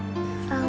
nanti aku panggil